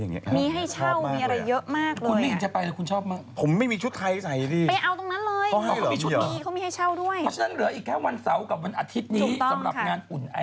วันวานจะไปนะคุณแม่สุดท้ายเขา